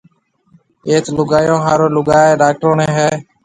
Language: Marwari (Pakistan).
ايٿ لوگايون ھارو لوگائيَ ڊاڪروڻيَ ھيََََ